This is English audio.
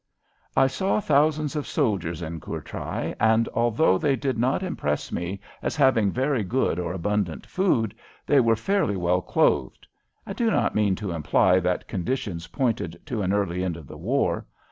I saw thousands of soldiers in Courtrai, and although they did not impress me as having very good or abundant food, they were fairly well clothed. I do not mean to imply that conditions pointed to an early end of the war.